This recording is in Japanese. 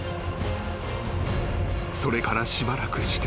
［それからしばらくして］